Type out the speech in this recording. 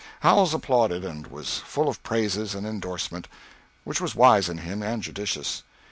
Howells applauded, and was full of praises and endorsement, which was wise in him and judicious.